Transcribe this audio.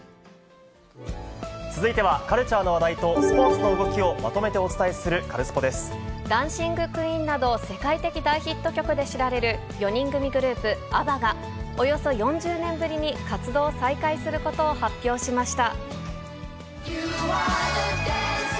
続いてはカルチャーの話題とスポーツの動きをまとめてお伝えダンシング・クイーンなど、世界的大ヒット曲で知られる４人組グループ、アバが、およそ４０年ぶりに活動を再開することを発表しました。